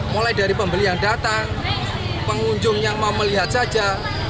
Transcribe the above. mulai dari pembeli yang datang pengunjung yang mau melihat saja